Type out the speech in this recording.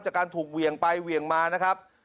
จากการถูกเหวี่ยงไปเหวี่ยงมานะครับ